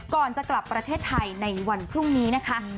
ก่อนจะกลับประเทศไทยในวันพรุ่งนี้นะคะ